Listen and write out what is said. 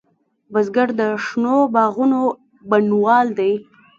بزګر د شنو باغونو بڼوال دی